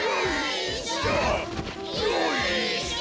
よいしょ！